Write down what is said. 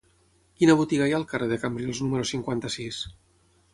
Quina botiga hi ha al carrer de Cambrils número cinquanta-sis?